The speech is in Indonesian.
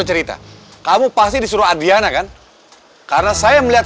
udah gak usah dengerin